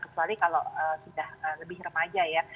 kecuali kalau sudah lebih remaja ya